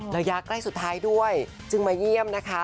ระยะใกล้สุดท้ายด้วยจึงมาเยี่ยมนะคะ